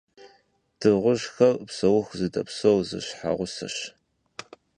Дыгъужьхэр псэуху зыдэпсэур зы щхьэгъусэщ.